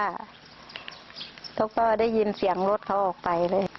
เขาก็ได้ยินเสียงรถเขาออกไปเลย